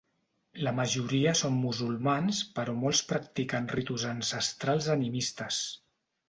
La majoria són musulmans però molts practiquen ritus ancestrals animistes.